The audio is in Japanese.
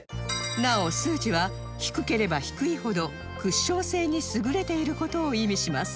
なお数値は低ければ低いほどクッション性に優れている事を意味します